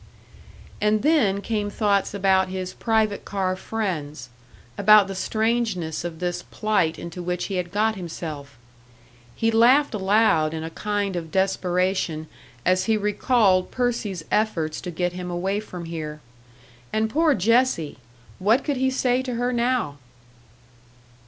And then came thoughts about his private car friends; about the strangeness of this plight into which he had got himself! He laughed aloud in a kind of desperation as he recalled Percy's efforts to get him away from here. And poor Jessie! What could he say to her now?